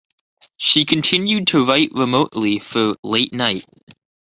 She continued to write remotely for "Late Night".